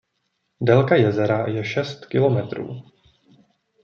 Délka jezera je šest kilometrů.